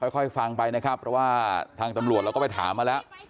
ค่อยฟังไปนะครับเพราะว่าทางตำรวจเราก็ไปถามมาแล้ว